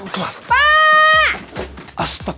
wanita tuhan belo estran